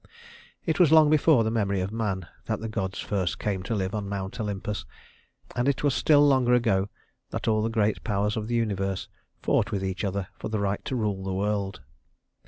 It was long before the memory of man that the gods first came to live on Mount Olympus, and it was still longer ago that all the great powers of the universe fought with each other for the right to rule the world.